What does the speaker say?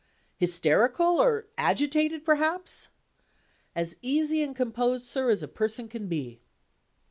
"Hysterical? or agitated, perhaps?" "As easy and composed, sir, as a person can be."